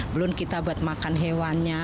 belum kita buat makan hewannya